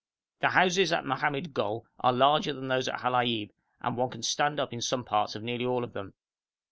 The houses at Mohammed Gol are larger than those at Halaib, and one can stand up in some parts of nearly all of them.